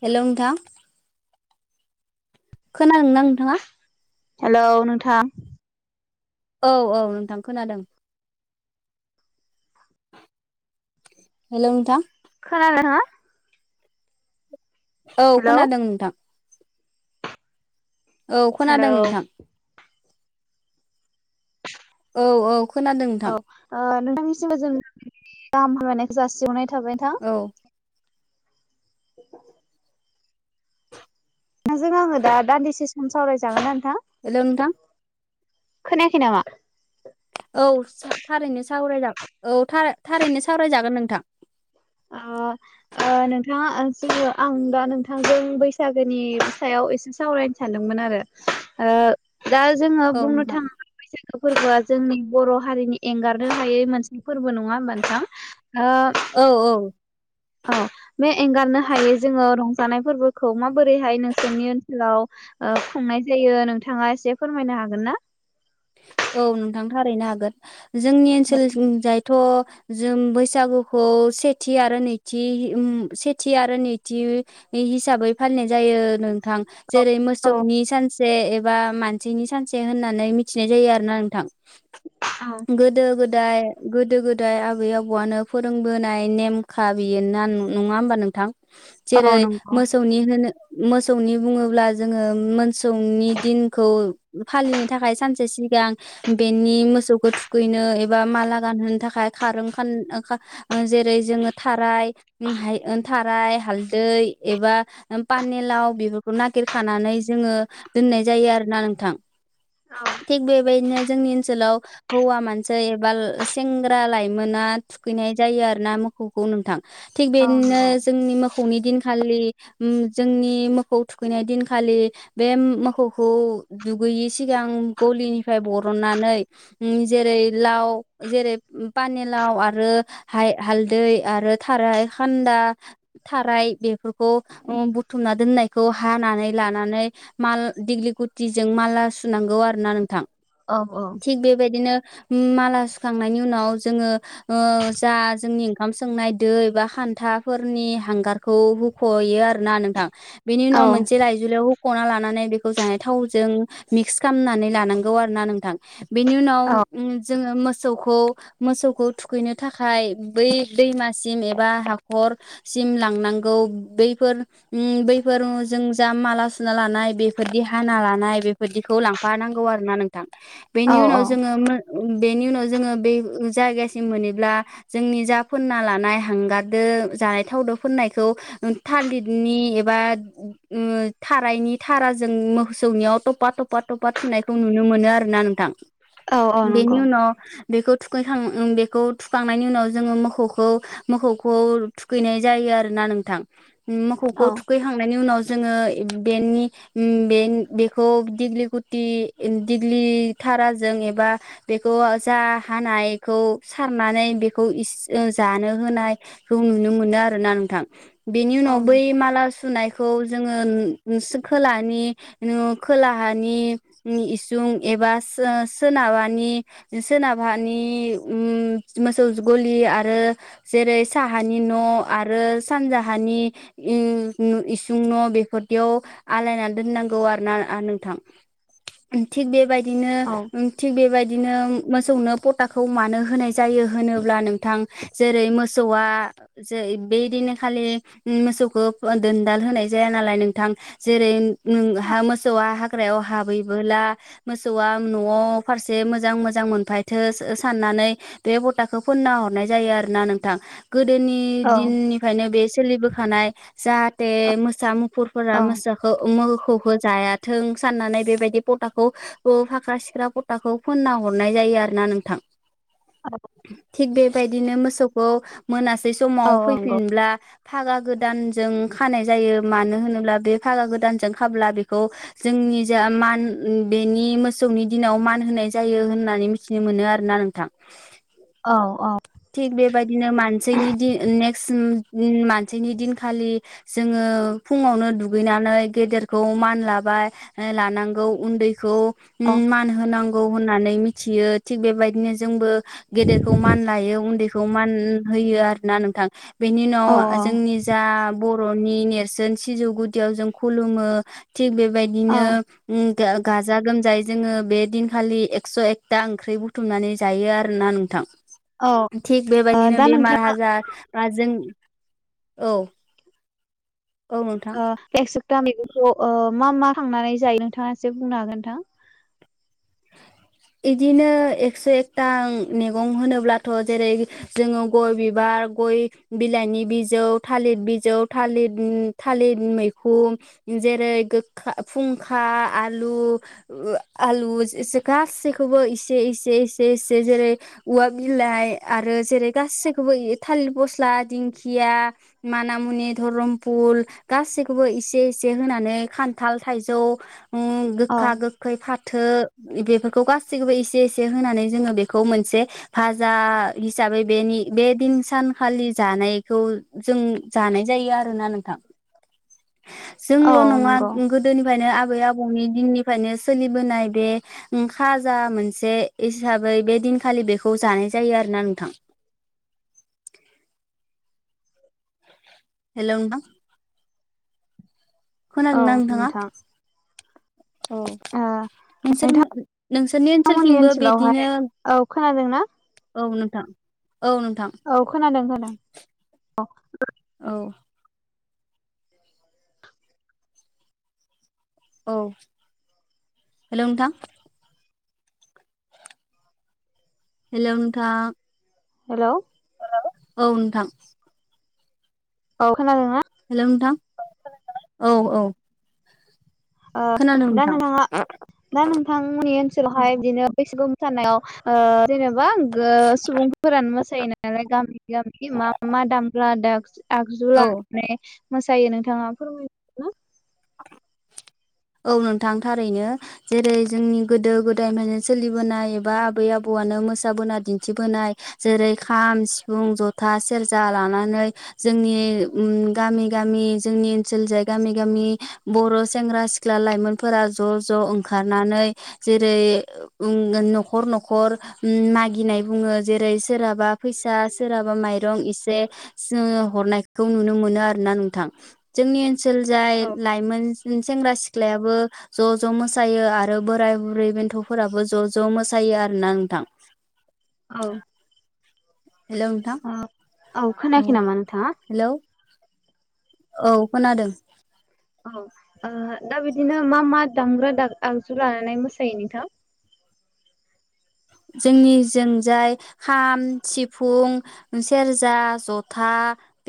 हेल नोंथां। खोनादोंना नोंथाङा? हेलौ नोंथां। औ औ नोंथां खोनादों। हेलौ नोंथां। [unintelligible] औ हेलौ खोनादों नोंथां। औ हेलौ खोनादों नोंथां। औ औ खोनादों नोंथां औ ओ नोंथांनिसिमबो जों दाम हायनायखौ जासिहरनाय थाबाय नोंथां। औ [unintelligible] नोंजों आङो दा दान्दिसे सम सावरायजागोन नोंथां? हेल नोंथां। खोनायाखै नामा? औ सा थारैनो सावरायजा औ था थारैनो सावरायजागोन नोंथां। अ ओ नोंथाङा आं दा नोंथांजों बैसागोनि सायाव एसे सावरायनो सानदोंमोन आरो ओ दा जोङो औ बुंनो नोंथां थाङोब्ला बैसागो फोरबोआ जोंनि बर' हारिनि एंगारनो हायै मोनसे फोरबो नङा मोनथां ओ औ औ औ बे एंगारनो हायो जोङो रंजानाय फोरबोखौ माबोरैहाय नोंसोरनि ओनसोलाव अ खुंनाय जायो नोंथाङा एसे फोरमायनो हागोन ना? औ नोंथां थारैनो हागोन जोंनि औ ओनसोलथिंजाय थ' जों बैसागुखौ सेथि आरो नैथि उम सेथि आरो नैथि हिसाबै फालिनाय जायो नों थां जेरै औ मोसौनि सानसे एबा मानसिनि सानसे होननानै मिथिनाय जायो आरो ना नोंथां औ गोदो गोदाय गोदो गोदाय आबै आबौआनो फोरोंबोनाय नेमखा बेयोना नङा होमबा नोंथां? जेरै औ नंगौ मोसौनि होनो मोसौनि बुङोब्ला जोङो मोसौनि दिनखौ फालिनो थाखाय सानसे सिगां बेनि मोसौखौ थुखैनो एबा माला गानहोनो थाखाय खारों खान ओ जेरै जोङो थाराय ओ थाराय हालदै एबा ओ फानिलाव बेफोरखौ नागिरखानानै जोङो दोननाय जायो आरोना नोंथां। औ। थिग बेबायदिनो जोंनि ओनसोलाव हौवा मानसि एबा सेंग्रा लाइमोना थुखैनाय जायो आरो ना मोखौखौ नोंथां। थिग औ बेदिनो नंगौ जोंनि मोखौ मोखौनि दिनखालि उम जोंनि मोखौ थुखैनाय दिनखालि बे मोखौखौ दुगैयि सिगांं गलिनिफ्राय बरननानै उम जेरै लाव जेरै पानिलाव आरो हायो हालदै आरो थाराय खान्दा थाराय बेफोरखौ उम बुथुमना दोननायखौ हानानै लानानै माल दिग्लि गुथिजों माला सुनांगौ आरो ना नोंथां औ थिग बेबायदिनो माला सुखांनायनि उनाव जोङो ओ जा जोंनि ओंखाम संनाय दै बा खान्थाफोरनि हांगारखौ हुख'यो आरोना नोंथां। बेनि औ उनाव मोनसे लाइजुुलायाव हख'ना लानानै बेखौ जानाय थावजों मिक्स खालामनानै लानांगौ आरो ना नोंथां बेनि उनाव उम जोङो मोसौखौ मोसौखौ थुखैनो थाखाय बै दैमासिम एबा हाखर सिम लांनांगौ बैफोर उम बैफोर जों जा माला सुना लानाय बे बेफोरदि हाना लानाय बेफोरदिखौ लांफानांगौ आरोना नोंथां। औ बेनि उनाव जोङो मो बेनि उनाव जोङो बे जायगासिम मोनोब्ला जोंनि जा फोनना लानाय हांगारदो जानाय थाव दो फोननायखौ थालिदनि एबा ओ थाराइनि था थारा जों मोसौनियाव तफा तफा तफा थुनाय खौ नुनो मोनो आरोना नोंथां। औ औ नंगौ बेनि उनाव बेखौ थुखैखां उम बेखौ थुखांनायनि उनाव जोङो मोखौखौ मोखौखौ थुखैनाय जायो आरोना ना नोंथां। औ मोखौखौ थुखैखांनायनि उनाव जोङो बेनि बे-बेखौ दिगलि गुटि दिग्लि थाराजों एबा बेखौ जा हानायखौ सारनानै बेखौ इस जानो होनायखौ नुनो मोनो आरोना नोंथां। बेनि औ उनाव बै नोंथां माला सुनाय खौ जोङो खोलानि खोलाहानि इसुं एबा सो-सोनाबहानि सोनाबहानि उम मोसौ गलि आरो जेरै साहानि न' आरो सानजाहानि इ इसुं न' बेफोरदियाव आलायनानै दोननांगौ आरोना नोंथां। थिग बेबायदिनो थिग बेबाय दिनो मोसौनो पताखौ मानो होनाय जायो होनोब्ला नोंथां, जेरै मोसौआ जे बैदिन खालि मोसौखौ दोनदाल होनाय जाया नालाय नोंथां, जेरै नोंहा मोसौआ हाग्रायाव हाबै बोला मोसौआ न'आव फारसे मोजां मोजां मोनफायथो साननानै बे पताखो फोनना हरनाय जायो आरोना नोंथां। गोदोनि औ दिननिफ्रायनो बे सोलिबोखानाय। जाहाथे मोसा मु फुरफोरा औ मोसाखो मोखौखो जायाथों साननानै बेबायदि पताखौ ओ फाख्रा सिख्रा पताखौ फोनना हरनाय जायो आरोना नोंथां। थिग बेबायदिनो मोसौखौ मोनासै समाव औ नंगौ फैफिनब्ला फागा गोदानजों खानाय जायो मानो होनोब्ला बे फागा गोदानजों खाब्ला बेखौ जों नि जा मान उम बेनि मोसौनि दिनाव मान होनाय जायो होननानै मिथिनो मोनो आरोना नोंथां। औ औ। थिग बेबायदिनो मानसिनि नेक्स्ट दिन मानसिनि दिनखालि जोङो फुङावनो दुगैनानै गेदेरखौ मान लाबा बाय ओ लानांगौ, उन्दैखौ उम मान होनांगौ होननानै मिथियो थिग बेबायदिनो जोंबो गेदेरखौ मान लायो, उन्दैखौ मान होयो आरो ना नोंथां। बेनि उनाव औ जोंनि जा बर'नि नेरसोन सिजौ गुदियाव जों खुलुमो। थिग औ बेबायदिनो उम गा-गाजा गोमजायै जोङो बे दिनखालि एक्स' एकथा ओंख्रि बुथुमनानै जायो आरोना नोंथां। औ थिग औ बेबायदिनो दा बेमार नोंथाङा हाजार बा जों औ। औ नोंथां अ' एक्स' दा मैगंखौ ओ मा मा खांनानै जायो नोंथाङा एसे बुंनो हागोन नोंथां? इदिनो एक्स' एकथा मेगं होनोब्लाथ' जेरै जोङो गय बिबार गय बिलाइनि बिजौ, थालिद बिजौ, थालिद थालिद मैखुम जेरै गोखा फुंखा आलु ओ आलु जेजो गा सैखौबो इसे इसे इसे इसे जेरै उवा बिलाइ आरो जेरै गासैखोबो थालिर फस्ला, दिंखिया, माना मुनि, धरमपुल गासैखोबो इसे इसे होनानै खान्थाल थाइजौ उम औ गोखा गोखै फाथो बेफोर खौ गासैखौबो इसे इसे होनानै जोङो बेखौ मोनसे भाजा हिसाबै बेनि बे दिन सानखालि जानायखौ जों जानाय जायो आरोना नोंथां। औ जोंल' नङा नंगौ गोदोनिफ्यायनो आब बै आबौनि दिननिफ्रायनो सोलिबोनाय बे उम खाजा मोनसे हिसाबै बे दिनखालि बेखौ जानाय जायो आरोना नोंथां। हेल' नोंथां। औ खोनादोंना नोंथाङा? नोंथां औ। ओ नोंसोर नोंसोरनि नोंथांमोननि ओनसोलथिंबो ओनसोलावहाय बिदिनो औ नोंथां। औ नोंथां औ खोनादों खोनादों औ। औ औ हेल' नोंथां। हेल' नोंथां। हेल' औ नोंथां। औ खोनादों ना? हेल' नोंथां औ औ। ओ खोनादों दा नोंथां नोंथाङा दा नोंथांमोननि ओनस सोलावहाय बिदिनो बैसागु मोसानायाव ओ जेनेबा गो सुबुंफोरानो मोसायो नालाय गामि गामि मा मा दामग्रा दागज आगजु औ लानानै मोसायो नोंथाङा फोरमायनो ना? औ नोंथां थारैनो जेरै जोंनि गोदो गोदाय माने सोलिबोनाय एबा आबै आबौ आनो मोसाबोना दिन्थिबोनाय जेरै खाम सिफुं जथा सेरजा लानानै जोंनि उम गामि गामि जोंनि ओनसोल जाय गामि गामि बर' सेंग्रा सिख ख्ला लाइमोनफोरा ज' ज' ओंखारनानै जेरै उम न'खर न'खर उम मागिनाय बुङो जेरै सोरहाबा फैसा सोरहाबा माइरं इसे जोङो हरनायख खौ नुनो मोनो आरोना नोंथां जोंनि ओनसोल जाय औ लाइमोन सेंग्रा सिख ख्लायाबो ज' ज' मोसायो आरो बोराय बुरै बेन्थ'फोराबो ज' ज' मोसायो आरोना नोंथां। [inaudible] औ हेलौ नोंथां औ खोनायाखै नामा नोंथांङा हेलौ औ खोनादों औ दा बिदिनो मा मा दामग्रा आगजु लानानै मोसायो नोंथां जोंनि जोंजाय खाम सिफुं सेरजा जथा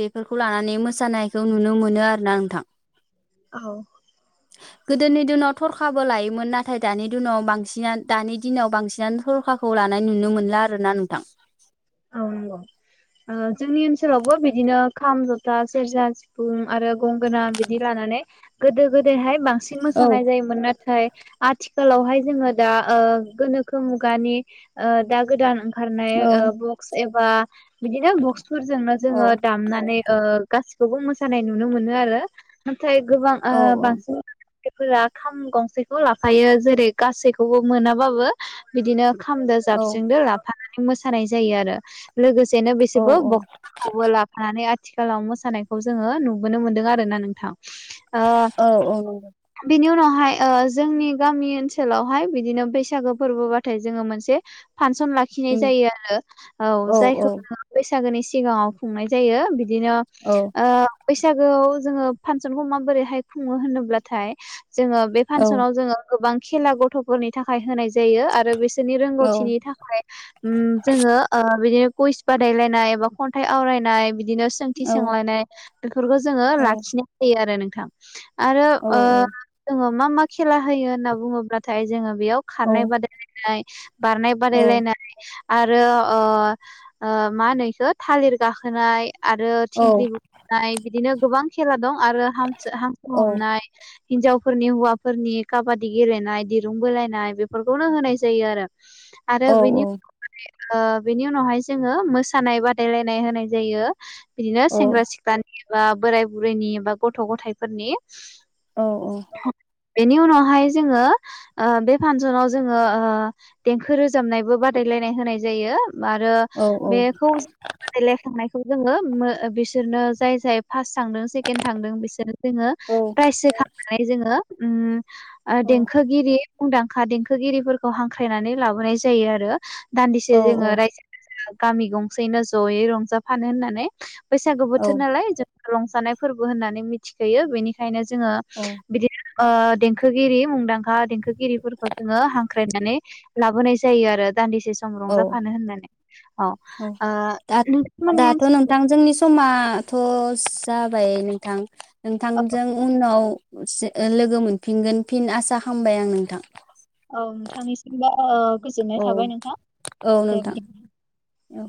बेफोरखौ लानानै मोसानायखौ नुनो मोनो आरोना नोंथां औ [inaudible] गोदोनि दिनाव थरखाबो लायोमोन नाथाय दानि दिनाव बांसि दानि दिनाव बांसिनानो थरखाखौ ला नाय नुनो मोनला आरोना नोंथां औ नंगौ जोंनि ओनसोलावबो बिदिनो खाम जथा सेरजा सिफुं आरो गंगोना बिदि लानानै गोदो गोदायहाय बांसिन औ मोसानाय जायोमोन नाथाय आथिखालावहाय जोङो दा गोनोखो मुगानि दा गोदान ओंखारनाय औ बक्स एबा बिदिनो बक्सफोरजोंनो औ जोङो दामनानै ओ गासिखौबो मोसानाय नुनो मोनो आरो नाथाय गोबां बांसिन फोरा खाम गंसेखौ लाफायो जेरै गासैखौबो मोनाबाबो बिदिनो खामदो औ जाबस्रिंदो लाफानानै मोसानाय जायो आरो लोगो सेनो औ बेसेबो औ बकसफोरखौबो लाफानानै आथिखालाव मोसानायखौ जोङो नुबोनो मोनदों आर ना नोंथां ओ औ औ नंगौ बिनि उनाव जोंनि गामि ओनसोलावहाय बिदिनो बैसागो फोरबोबाथाय जोङो मोनसे फांसन लाखिनाय उम जायो आरो औ जायखौनो बैसागोनि सिगाङाव खुंनाय जायो बिदि बिदिनो औ बैसागोआव जोङो फांसनखौ माबोरैहाय खुङो होनोब्लाथाय जोङो बे औ फांसनाव जोङो गोबां खेला गथ'फोरनि थाखाय होनाय जायो आरो बे बिसोरनि रोंगौथिनि थाखाय जोङो ओ बिदिनो कुइस बादायलायनाय एबा खन्थाइ आवरायनाय बिदि बिदिनो सोंथि औ सोंलायनाय बेफोरखौ जोङो लाखिनाय हायो आरो नोंथां। आरो औ ओ जोङो मा मा खेला होयो होनना बुङोब्लाथाय जोङो बेयाव औ खारनाय बादायलायनाय। बारनाय औ बादायलायनाय आरो ओ मा होनो इखो थालिर गाखोनाय आरो औ थिंख्लि बुख्रुबनाय बिदिनो गोबां खेला दं आरो हांसो हांसो हमनाय। हिनजावफोरनि हौवाफोरनि काबादि गेलेनाय दिरुं बोलायनाय बेफोरखौनो होनाय जायो आरो। आरो औ बेनि [unintelligible] माने ओ बेनि उनावहाय जोङो मोसानाय बादायलायनाय होनाय जायो बिदिनो सेंग्रा सिख्लानि बा बोराय बुरैनि बा गथ' गथायाइफोरनि औ औ। बेनि उनावहाय जोङो ओ बे फांसनाव जोङो ओ देंखो रोजाबनायबो बादाय लायनाय होनाय जायो आरो बेखौ बादायलायखांनायखौ जोङो मो बिसोरनो जाय जाय फार्स थांदों सेके थांदों बिसोरनो जोङो प्राइज होखांनानै जोङो ओम ओ देंखोगिरि मुंदांखा देंखोगिरिफोरखौ हांख्रायनानै लाबोनाय जायो आरो। दान्दिसे जोङो रायजो राजा गामि गंसेैनो ज'यै रंजाफानो होननानै। बैसागु बोथोर औ नालाय जों रंजानाय फोरबो होननानै मिथिखोयो बेनिखायनो जोङो बिदिनो ओ देंखोगिरि मुंदांखा हा देंखोगिरिफोरखौ जोङो हांख्रायनानै लाबोनाय जायो आरो। दान्दिसे सम औ रंजाफानो होननानै। औ ओ दा नोंथांमोननि दाथ' ओनसोलाव नोंथां जोंनि समा थ जाबाय नोंथां औ नोंथांजों उनाव सो लोगो मोनफिनगोन फिन आसा खालामबाय आं नोंथां। औ नोंथांनिसिमबो ओ गोजोननाय औ थाबाय नोंथां औ दे नोंथां बिदिबा। औ।